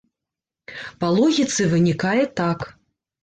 Па логіцы вынікае так.